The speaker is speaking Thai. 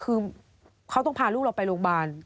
คือเขาต้องพาลูกเราไปโรงพยาบาล